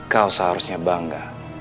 kamu seharusnya bangga